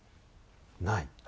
ない？